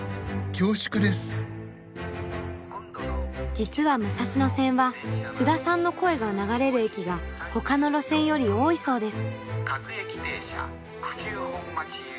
実は武蔵野線は津田さんの声が流れる駅がほかの路線より多いそうです。